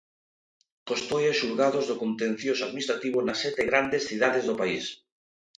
Costoias xulgados do contencioso-administrativo nas sete grandes cidades do país.